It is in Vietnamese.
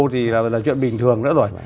thì là chuyện bình thường nữa rồi